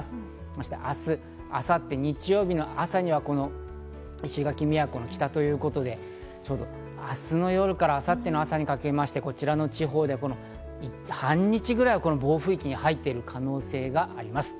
そして明日、明後日・日曜日の朝には石垣・宮古の北ということで、ちょうど明日の夜から明後日の朝にかけてこちらの地方で半日ぐらい暴風域に入っている可能性があります。